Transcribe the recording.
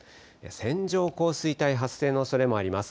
線状降水帯発生のおそれもあります。